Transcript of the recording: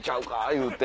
言うて。